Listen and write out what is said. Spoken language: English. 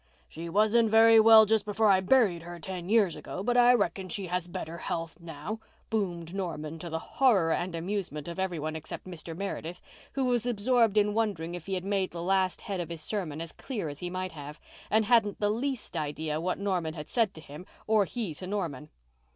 "She wasn't very well just before I buried her ten years ago, but I reckon she has better health now," boomed Norman, to the horror and amusement of every one except Mr. Meredith, who was absorbed in wondering if he had made the last head of his sermon as clear as he might have, and hadn't the least idea what Norman had said to him or he to Norman.